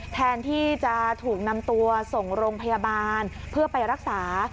แทนที่จะถูกนำตัวส่งโรงพยาบาลเพื่อไปรักษา